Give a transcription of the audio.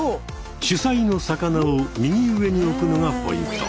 主菜の魚を右上に置くのがポイント。